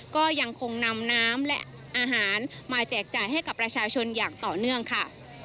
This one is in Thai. ก็ยังคงนำน้ำและอาหารมาแจกจ่ายให้กับประชาชนอย่างต่อเนื่องค่ะ